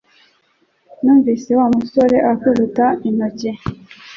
Numvise Wa musore akubita intoki